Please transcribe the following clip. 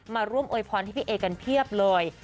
มาร่วมโวยพรให้พี่เอกันเพียบเลย